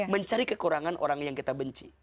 mencari kekurangan orang yang kita benci